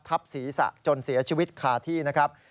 ทับศีรษะจนเสียชีวิตคาที่นะครับ